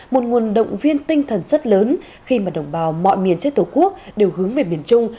một nguồn động viên tinh thần rất lớn khi mà đồng bào mọi miền trên tổ quốc đều hướng về miền trung